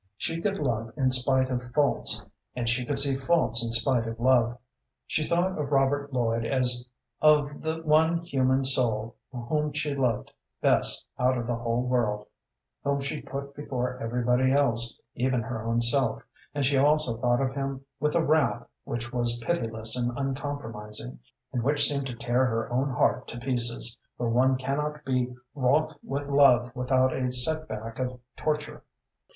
She could love in spite of faults, and she could see faults in spite of love. She thought of Robert Lloyd as of the one human soul whom she loved best out of the whole world, whom she put before everybody else, even her own self, and she also thought of him with a wrath which was pitiless and uncompromising, and which seemed to tear her own heart to pieces, for one cannot be wroth with love without a set back of torture.